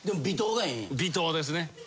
微糖ですね。